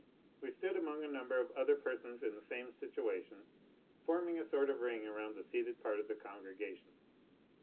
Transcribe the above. We stood among a number of other persons in the same situation, forming a sort of ring around the seated part of the congregation.